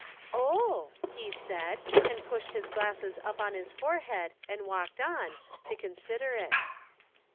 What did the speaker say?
" Oh !" he said, and pushed his glasses up on his forehead and walked on, to consider it.